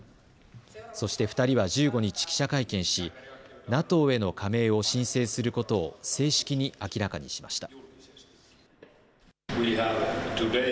そして２人は１５日、記者会見しＮＡＴＯへの加盟を申請することを正式に明らかにしました。